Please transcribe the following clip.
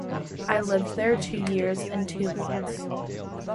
I lived there two years and two months.